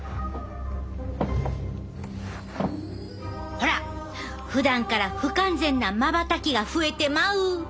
ほらふだんから不完全なまばたきが増えてまう！